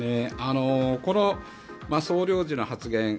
この総領事の発言